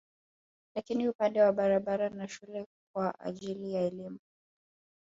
Lakini upande wa barabara na shule kwa ajili ya elimu